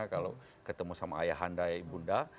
kalau ketemu sama ayah handai bunda